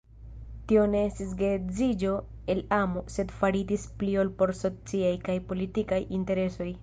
Tio ne estis geedziĝo el amo, sed faritis pli por sociaj kaj politikaj interesoj.